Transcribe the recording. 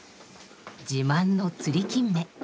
自慢のつりきんめ。